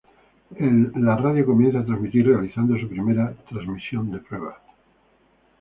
El la radio comienza a transmitir realizando su primera transmisión de prueba.